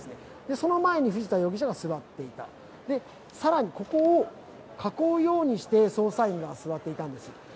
その前に藤田容疑者が座っていた、更にここを囲うようにして捜査員が座っていたんです。